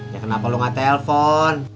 ya kenapa lo gak telfon